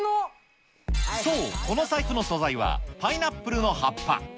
そう、この財布の素材は、パイナップルの葉っぱ。